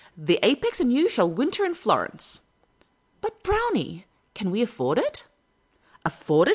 The apex and you shall winter in Florence." " But, Brownie, can we afford it ?"" Afford it